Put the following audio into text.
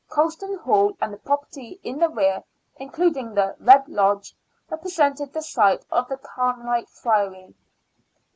Colston Hall and the property in the rear, including the Red Lodge, represent the site of the Carmelite Friary.)